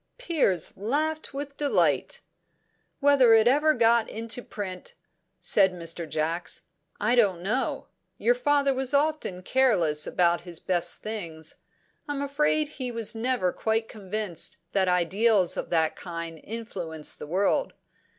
'" Piers laughed with delight. "Whether it ever got into print," said Mr. Jacks, "I don't know. Your father was often careless about his best things. I'm afraid he was never quite convinced that ideals of that kind influence the world.